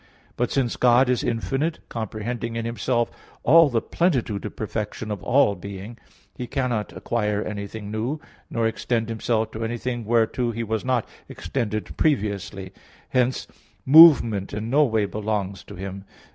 But since God is infinite, comprehending in Himself all the plenitude of perfection of all being, He cannot acquire anything new, nor extend Himself to anything whereto He was not extended previously. Hence movement in no way belongs to Him.